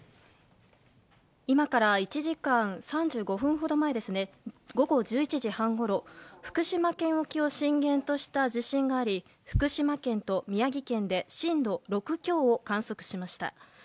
今から１時間３５分ほど前午後１１時半ごろ、福島県沖を震源とした地震があり福島県と宮城県で震度６強を観測しました。